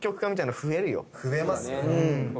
増えますよね。